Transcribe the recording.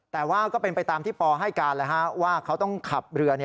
แต่ว่าก็เป็นไปตามที่ปอให้การว่าเขาต้องขับเรือ